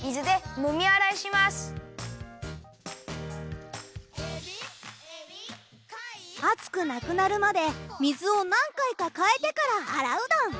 「エビカイ」あつくなくなるまでみずをなんかいかかえてからあらうドン。